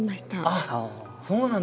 あっそうなんだ。